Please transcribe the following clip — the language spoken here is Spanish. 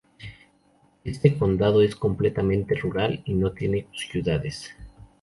Este condado es completamente rural y no tiene ciudades.